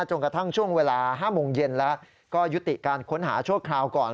จนกระทั่งช่วงเวลา๕โมงเย็นแล้วก็ยุติการค้นหาชั่วคราวก่อน